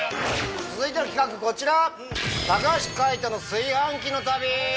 続いての企画こちら！